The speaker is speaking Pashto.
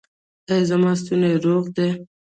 ایا زما ستونی روغ دی؟